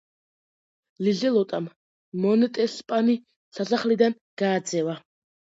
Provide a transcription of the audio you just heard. ლიზელოტამ მონტესპანი სასახლიდან გააძევა.